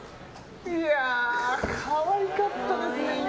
いや、可愛かったですね、今。